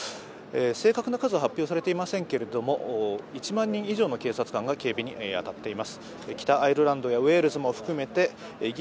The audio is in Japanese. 正確な数は発表されていませんけれども、１万人以上の警察官が警備に当たっています。